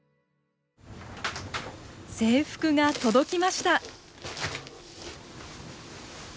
制服が届きました。